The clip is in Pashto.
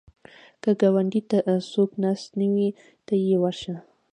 که ګاونډي ته څوک ناست نه وي، ته یې ورشه